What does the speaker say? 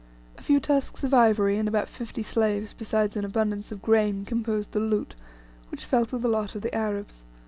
A few tusks of ivory, and about fifty slaves, besides an abundance of grain, composed the "loot," which fell to the lot of the Arabs.